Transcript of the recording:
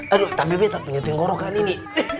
aduh tapi bete punya tenggorokan ini